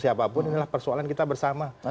siapapun inilah persoalan kita bersama